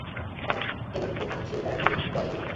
Pan এবং কু আন কিউ তারা দুই দলে বিভক্ত।